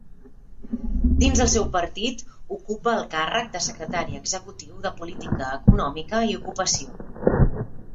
Dins el seu partit ocupa el càrrec de secretari executiu de Política Econòmica i Ocupació.